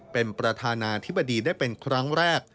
เป็นประธานาธิบดีได้เป็นครั้งแรก